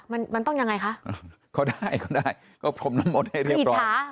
มันมันต้องยังไงคะก็ได้เขาได้ก็พรมน้ำมดให้เรียบร้อย